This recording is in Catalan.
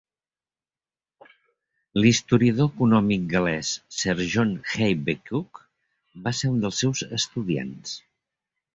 L'historiador econòmic gal·lès Sir John Habakkuk va ser un dels seus estudiants.